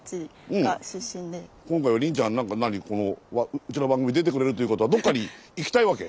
今回は凜ちゃん何？うちの番組出てくれるっていうことはどっかに行きたいわけ？